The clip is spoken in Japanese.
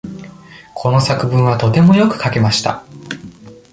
この作文はとてもよく書けました。